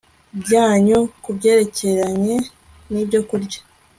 byanyu ku byerekeranye nibyokurya